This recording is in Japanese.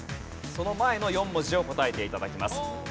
その前の４文字を答えて頂きます。